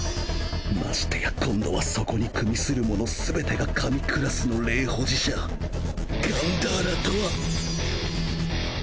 ましてや今度はそこにくみする者すべてが神クラスの霊保持者ガンダーラとは！